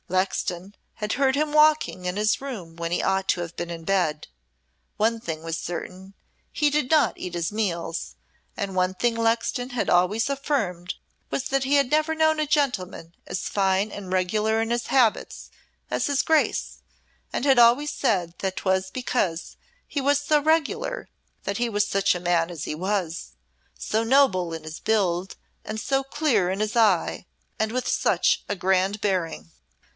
Lexton had heard him walking in his room when he ought to have been in bed; one thing was certain, he did not eat his meals, and one thing Lexton had always affirmed was that he had never known a gentleman as fine and regular in his habits as his Grace, and had always said that 'twas because he was so regular that he was such a man as he was so noble in his build and so clear in his eye, and with such a grand bearing.